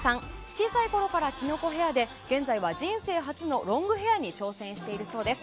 小さいころからキノコヘアで現在は人生初のロングヘアに挑戦しているそうです。